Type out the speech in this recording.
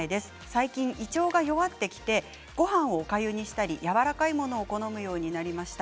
最近、胃腸が弱ってきてごはんをおかゆにしたりやわらかいものを好むようになりました。